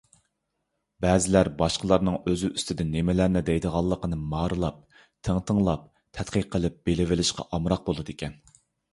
بەزىلەر باشقىلارنىڭ ئۆزى ئۈستىدە نېمىلەرنى دەيدىغانلىقىنى مارىلاپ، تىڭتىڭلاپ، تەتقىق قىلىپ بىلىۋېلىشقا ئامراق بولىدىكەن.